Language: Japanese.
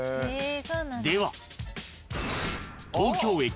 ［では］